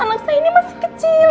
anak saya ini masih kecil